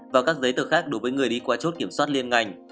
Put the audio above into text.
và các giấy tờ khác đối với người đi qua chốt kiểm soát liên ngành